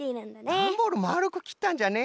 ダンボールまるくきったんじゃね。